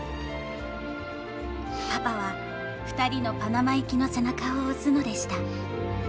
パパは２人のパナマ行きの背中を押すのでした。